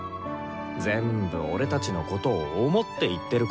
全部俺たちのことを想って言ってることだからさ。